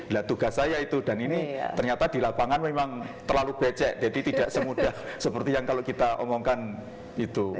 nah tugas saya itu dan ini ternyata di lapangan memang terlalu becek jadi tidak semudah seperti yang kalau kita omongkan itu